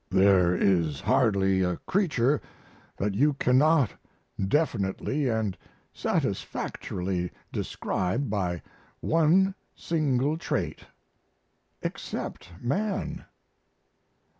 There is hardly a creature that you cannot definitely and satisfactorily describe by one single trait except man.